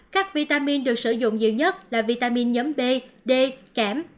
các vitamin được sử dụng nhiều nhất là vitamin nhấm b d kém